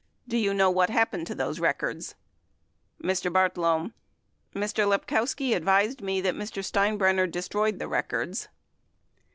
Do you know what happened to those records ? Mr. Bartlome. Mr. Lepkowski advised me that Mr. Stein brenner destroyed the records.